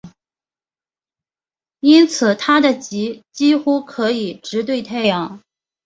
因此它的极几乎可以直对太阳。